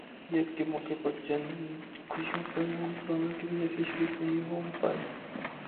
ید کے موقع پر جن خوشیوں میں ہم کرونا کی وجہ سے شریک نہیں ہو پائے